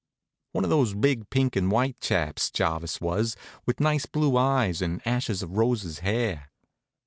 One of those big pink and white chaps, Jarvis was, with nice blue eyes and ashes of roses hair.